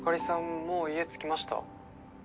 もう家着きました？